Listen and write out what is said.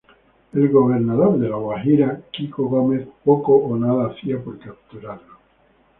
El gobernador de La Guajira, Kiko Gómez poco o nada hacía por capturarlo.